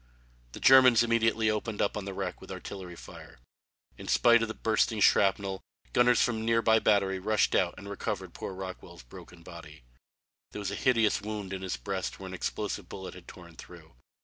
The Germans immediately opened up on the wreck with artillery fire. In spite of the bursting shrapnel, gunners from a near by battery rushed out and recovered poor Rockwell's broken body. There was a hideous wound in his breast where an explosive bullet had torn through.